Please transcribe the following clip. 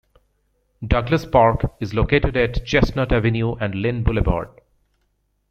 Douglas Park is located at Chestnut Avenue and Lynn Boulevard.